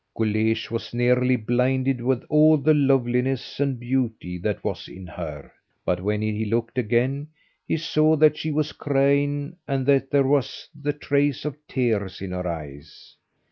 Guleesh was nearly blinded with all the loveliness and beauty that was in her; but when he looked again, he saw that she was crying, and that there was the trace of tears in her eyes.